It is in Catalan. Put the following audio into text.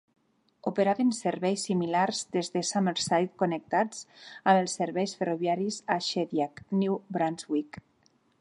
Operaven serveis similars des de Summerside connectats amb els serveis ferroviaris a Shediac, New Brunswick.